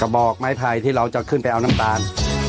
บอกไม้ไผ่ที่เราจะขึ้นไปเอาน้ำตาล